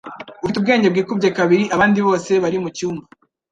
Ufite ubwenge bwikubye kabiri abandi bose bari mucyumba.